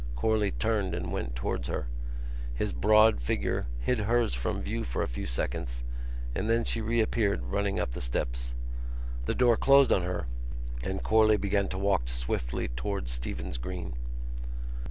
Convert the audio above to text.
Corley turned and went towards her. His broad figure hid hers from view for a few seconds and then she reappeared running up the steps. The door closed on her and Corley began to walk swiftly towards Stephen's Green.